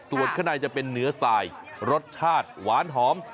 ส่วนข้างในจะเป็นเนื้อทรายรสชาติหวานหอม